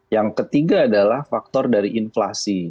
yang ketiga adalah faktor dari inflasi